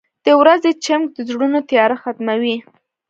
• د ورځې چمک د زړونو تیاره ختموي.